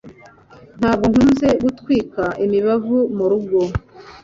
Ntabwo nkunze gutwika imibavu murugo.